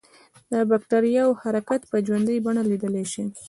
د بکټریاوو حرکت په ژوندۍ بڼه لیدلای شو.